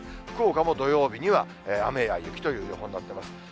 福岡も土曜日には雨や雪という予報になっています。